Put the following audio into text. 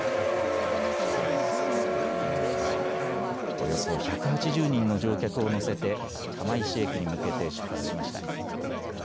およそ１８０人の乗客を乗せて釜石駅に向けて出発しました。